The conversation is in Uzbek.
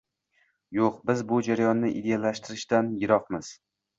Yo‘q, biz bu jarayonni ideallashtirishdan yiroqmiz